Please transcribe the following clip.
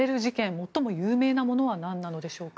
最も有名なものは何でしょうか？